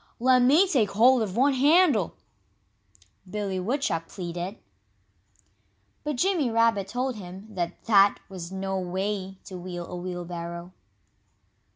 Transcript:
"Let me take hold of one handle!" Billy Woodchuck pleaded. But Jimmy Rabbit told him that that was no way to wheel a wheelbarrow.